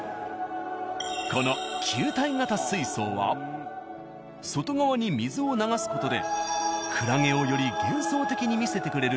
この球体型水槽は外側に水を流す事でクラゲをより幻想的に見せてくれる。